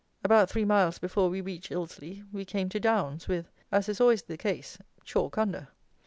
About three miles before we reached Ilsley we came to downs, with, as is always the case, chalk under.